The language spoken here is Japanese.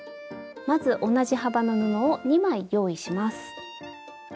まず同じ幅の布を２枚用意します。